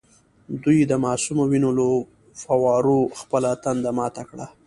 دوی د معصومو وینو له فووارو خپله تنده ماته کړه.